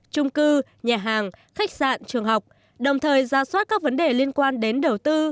trung cư nhà hàng khách sạn trường học đồng thời ra soát các vấn đề liên quan đến đầu tư